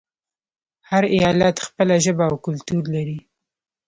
هر ایالت خپله ژبه او کلتور لري.